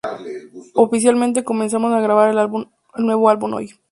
Oficialmente comenzamos a grabar el nuevo álbum hoy.